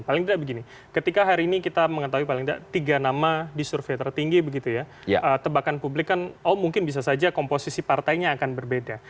paling tidak begini ketika hari ini kita mengetahui paling tidak tiga nama di survei tertinggi begitu ya tebakan publik kan oh mungkin bisa saja komposisi partainya akan berbeda